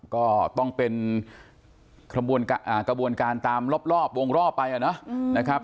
ก็ต้องเป็นกระบวนการตามรอบวงรอบไปนะครับ